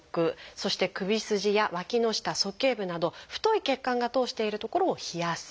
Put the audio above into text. そして首筋やわきの下そけい部など太い血管が通している所を冷やす。